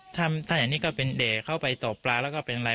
ถ้าอย่างนี้ก็เป็นแด่เขาไปตกปลาแล้วก็เป็นอะไร